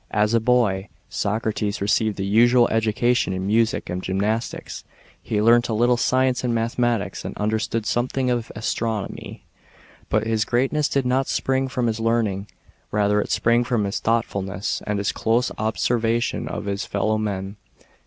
As a boy, Socrates re ceived the usual education in music and gym nastics ; he learnt a little science and mathematics, and understood something of astronomy. But his greatness did not spring from his learn ing, rather it sprang from his thoughtfulness, and his close observation of his fellow men.